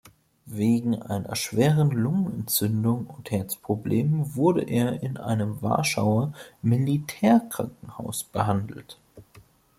Wegen einer schweren Lungenentzündung und Herzproblemen wurde er in einem Warschauer Militärkrankenhaus behandelt.